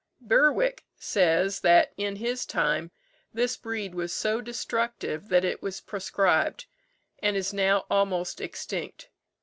Bewick says that in his time this breed was so destructive that it was proscribed, and is now almost extinct.